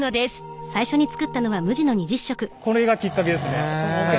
これがきっかけですね。